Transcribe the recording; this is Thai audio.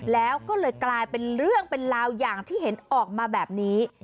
แล้วก็เลยกลายเป็นเรื่องเป็นราวอย่างที่เห็นออกมาแบบนี้